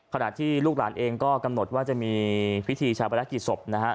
ขณะที่ลูกหลานเองก็กำหนดว่าจะมีพิธีชาปนักกิจศพนะฮะ